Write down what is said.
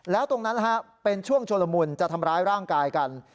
แล้วตรงนั้นเป็นช่วงชุลมุนจะทำร้ายร่างกายกัน